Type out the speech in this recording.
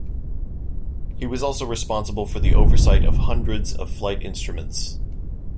He was also responsible for the oversight of hundreds of flight instruments.